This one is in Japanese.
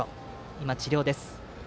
今、治療中です。